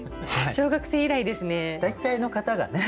小学生以来ですね。